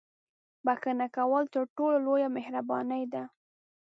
• بښنه کول تر ټولو لویه مهرباني ده.